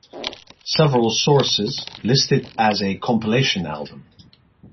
Several sources list it as a compilation album.